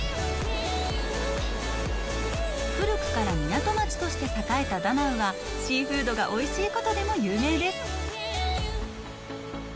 古くから港町として栄えたダナンはシーフードがおいしいことでも有名です。